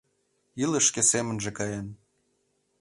Илыш шке семынже каен.